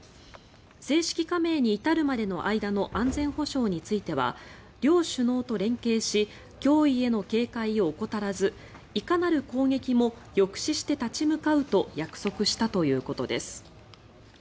正式加盟に至るまでの間の安全保障については両首脳と連携し脅威への警戒を怠らずいかなる攻撃も抑止して立ち向かうと約束したということです。